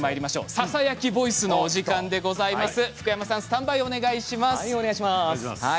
ささやきボイスのお時間でございます。